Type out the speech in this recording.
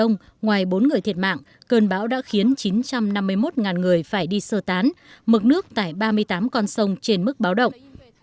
ngoài bốn người thiệt mạng cơn bão đã khiến chín trăm năm mươi một người phải đi sơ tán mực nước tại ba mươi tám con sông trên mức báo động